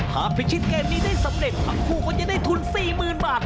พิชิตเกมนี้ได้สำเร็จทั้งคู่ก็จะได้ทุน๔๐๐๐บาท